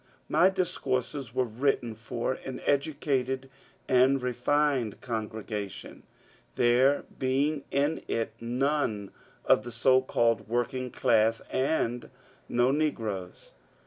My discourses were written for an edu cated and refined congregation, there being in it none of the so called working class and no negroes.